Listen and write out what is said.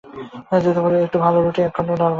একটুকরা ভাল রুটি এবং একখণ্ড ভাল কম্বল তাহাদের প্রয়োজন।